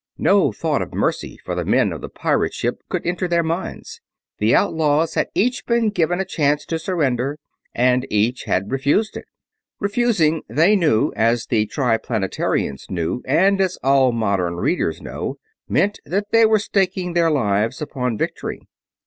No thought of mercy for the men of the pirate ship could enter their minds. The outlaws had each been given a chance to surrender, and each had refused it. Refusing, they knew, as the Triplanetarians knew and as all modern readers know, meant that they were staking their lives upon victory.